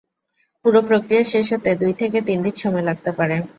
পুরো প্রক্রিয়া শেষ হতে দুই থেকে তিন দিন সময় লাগতে পারে।